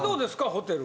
ホテル。